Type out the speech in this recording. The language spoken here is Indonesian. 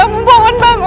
bangun bangun lah bangun